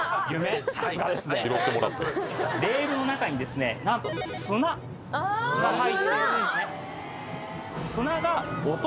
レールの中にですね何と砂が入っているんですね。